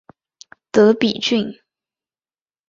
德比郡。